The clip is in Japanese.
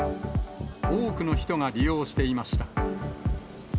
多くの人が利用していました。